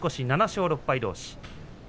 ７勝６敗どうし。